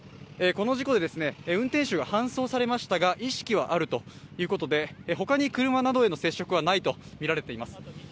この事故で運転手が搬送されましたが意識はあるということで他に車などへの接触はないとみられています。